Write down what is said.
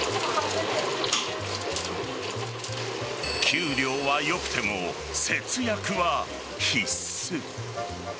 給料は良くても節約は必須。